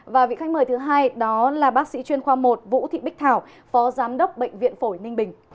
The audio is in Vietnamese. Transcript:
và vị khách mời thứ hai đó là bác sĩ chuyên khoa một vũ thị bích thảo phó giám đốc bệnh viện phổi ninh bình